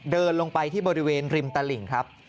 เดินลงไปที่บริเวณริมตลิ่งครับ